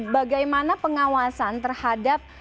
bagaimana pengawasan terhadap